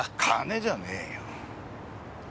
金じゃねえよ。